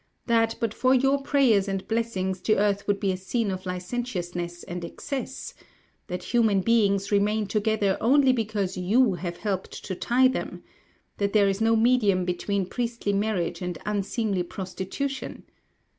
that, but for your prayers and blessings, the earth would be a scene of licentiousness and excess? that human beings remain together, only because you have helped to tie them? that there is no medium between priestly marriage and unseemly prostitution?